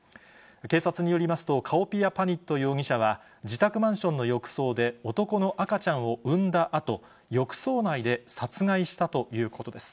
警察によりますとカオピアパニット容疑者は、自宅マンションの浴槽で、男の赤ちゃんを産んだあと、浴槽内で殺害したということです。